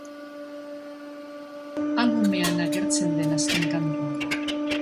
Albumean agertzen den azken kantua da.